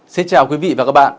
xin chào quý vị và các bạn